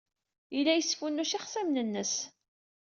Yella yesfunnuc ixṣimen-nnes.